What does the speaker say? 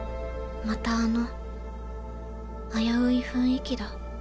またあの危うい雰囲気だ。